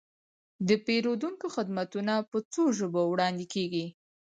د پیرودونکو خدمتونه په څو ژبو وړاندې کیږي.